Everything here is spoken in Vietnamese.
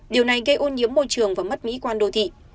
điều này gây ô nhiễm môi trường và mất mỹ quan đô thị